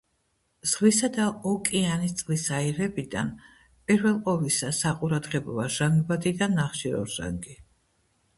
ზღვისა და ოკეანის წყლის აირებიდან პირველ ყოვლისა საყურადღებოა ჟანგბადი და ნახშირორჟანგი.